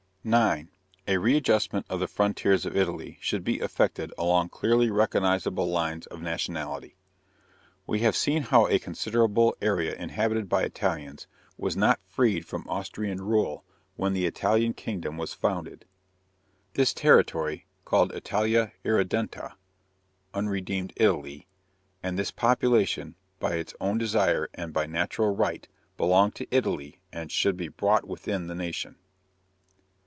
9. A readjustment of the frontiers of Italy should be effected along clearly recognizable lines of nationality. We have seen how a considerable area inhabited by Italians was not freed from Austrian rule when the Italian kingdom was founded. This territory, called Italia Irredenta (unredeemed Italy), and this population, by its own desire and by natural right, belong to Italy and should be brought within the nation.